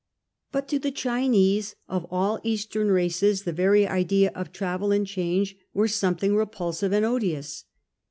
But to the Chinese of all Eastern races the very idea of travel and change was something repulsive and odious.